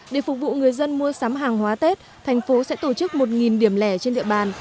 để phục vụ người dân mua sắm hàng hóa tết thành phố sẽ tổ chức một điểm lẻ trên địa bàn